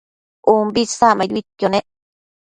umbi isacmaiduidquio nec